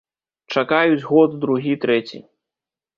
Чакаюць год, другі, трэці.